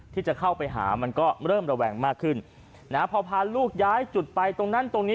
ที่จะเข้าไปหามันก็เริ่มระแวงมากขึ้นนะฮะพอพาลูกย้ายจุดไปตรงนั้นตรงนี้